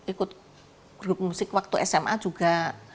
ikut grup musik waktu sma juga